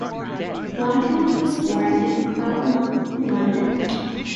Blackman was born in Clapham, London.